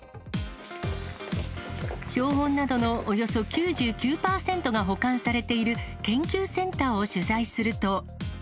標本などのおよそ９９％が保管されている研究センターを取材すると。